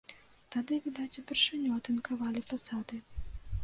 Тады, відаць, упершыню атынкавалі фасады.